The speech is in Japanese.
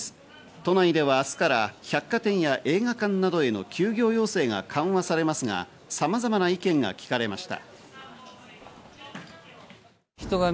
都内では明日から百貨店や映画館などへの休業要請が緩和されますが、様々な意見が聞かれました。